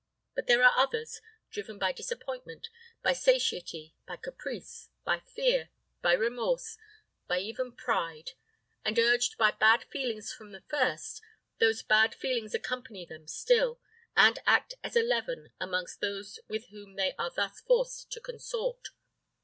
But there are others, driven by disappointment, by satiety, by caprice, by fear, by remorse, by even pride; and urged by bad feelings from the first, those bad feelings accompany them still, and act as a leaven amongst those with whom they are thus forced to consort.